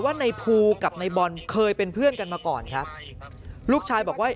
ว่าในภูกับในบอลเคยเป็นเพื่อนกันมาก่อนครับลูกชายบอกว่า